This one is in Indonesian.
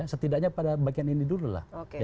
setidaknya pada bagian ini dulu lah